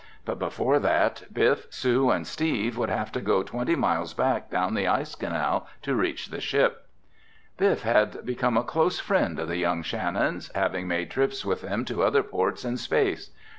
But before that, Biff, Sue and Steve would have to go twenty miles back down the ice canal to reach the ship. Biff had become a close friend of the young Shannons, having made trips with them to other ports in space.